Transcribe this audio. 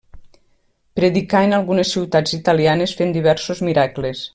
Predicà en algunes ciutats italianes fent diversos miracles.